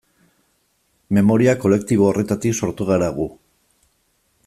Memoria kolektibo horretatik sortu gara gu.